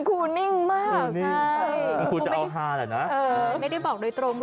ดูที่กระจกซิแมทอยู่ไหนนะ